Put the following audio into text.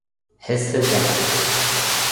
حس درد